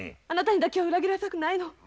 あなたにだけは裏切られたくないの。